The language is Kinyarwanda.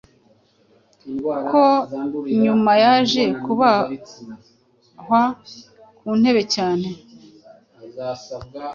Ko nyuma yaje kubahwa kuntebe cyane